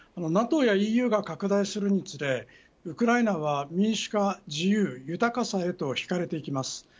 ＮＡＴＯやＥＵが拡大するにつれウクライナは民主化自由、豊かさへとひかれていきます。